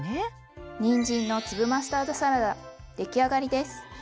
にんじんの粒マスタードサラダ出来上がりです。